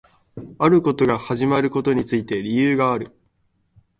あることが始まることについて理由がある